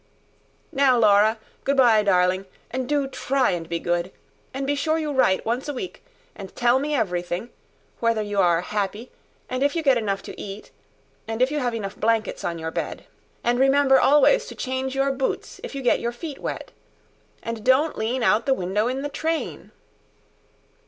"Now, Laura. Good bye, darling. And do try and be good. And be sure you write once a week. And tell me everything. Whether you are happy and if you get enough to eat and if you have enough blankets on your bed. And remember always to change your boots if you get your feet wet. And don't lean out of the window in the train."